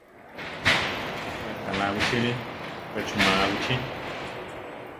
Pe aʼkaná wichíli, pe chuʼmáa wichí.